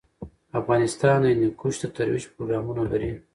افغانستان د هندوکش د ترویج پروګرامونه لري.